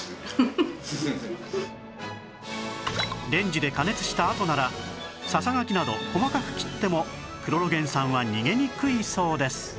レンジで加熱したあとならささがきなど細かく切ってもクロロゲン酸は逃げにくいそうです